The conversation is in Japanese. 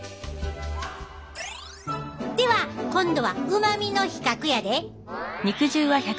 では今度はうまみの比較やで。